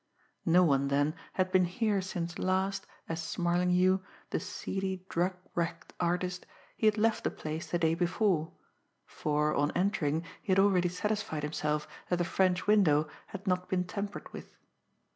No one, then, had been here since last, as Smarlinghue, the seedy, drug wrecked artist, he had left the place the day before; for, on entering, he had already satisfied himself that the French window had not been tampered with.